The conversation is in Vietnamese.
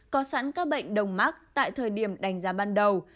có sẵn các bệnh đồng mắc tại thời điểm đánh giá ban đầu